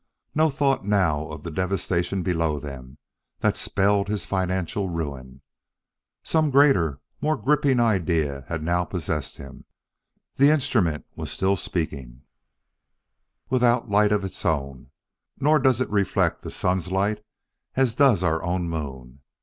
No thought now of the devastation below them that spelled his financial ruin. Some greater, more gripping idea had now possessed him. The instrument was still speaking: " Without light of its own, nor does it reflect the sun's light as does our own moon.